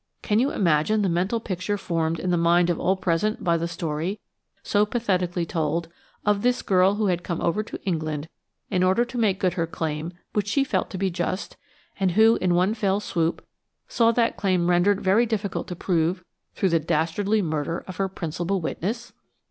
Can you imagine the mental picture formed in the mind of all present by the story, so pathetically told, of this girl who had come over to England in order to make good her claim which she felt to be just, and who, in one fell swoop, saw that claim rendered very difficult to prove through the dastardly murder of her principal witness?